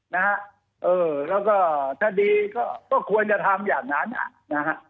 แล้วก็ถ้าดีก็ควรจะทำอย่างนั้น